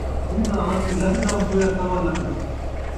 جین٘دا ہاتھی لکھ دا ، مویا سوا لکھ دا